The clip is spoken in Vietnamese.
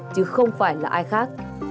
chứ không phải là ai khác